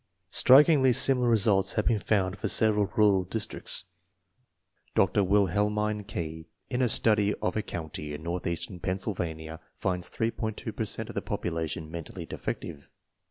Strikingly similar results have been found for sev eral rural districts. Dr. Wilhelmine Key, in a study of a county in Northeastern Pennsylvania, finds 8.2 per cent of the population mentally defective.